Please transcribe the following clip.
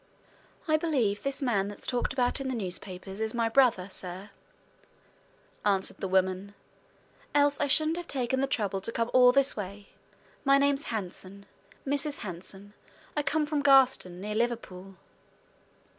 "I believe this man that's talked about in the newspapers is my brother, sir," answered the woman. "Else I shouldn't have taken the trouble to come all this way. My name's Hanson Mrs. Hanson. I come from Garston, near Liverpool."